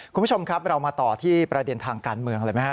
คุณผู้ชมครับเรามาต่อที่ประเด็นทางการเมืองเลยไหมฮ